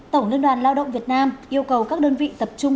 tổng liên đoàn lao động việt nam yêu cầu các đơn vị tập trung